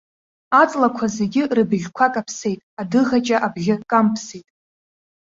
Аҵлақәа зегьы рыбӷьқәа каԥсеит, адыӷаҷа абӷьы камԥсеит.